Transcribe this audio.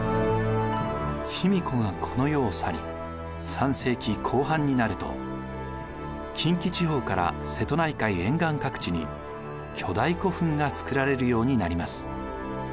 卑弥呼がこの世を去り３世紀後半になると近畿地方から瀬戸内海沿岸各地に巨大古墳が造られるようになります。